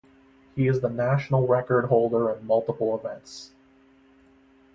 He is the national record holder in multiple events.